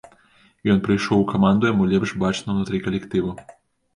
Ён прыйшоў у каманду, яму лепш бачна ўнутры калектыву.